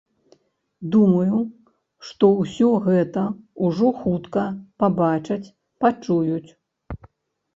Думаю, што ўсе гэта ўжо хутка пабачаць, пачуюць.